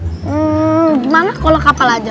hmm gimana kalau kapal aja